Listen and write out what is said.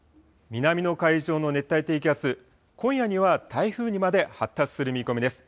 南の海上の熱帯低気圧、今夜には台風にまで発達する見込みです。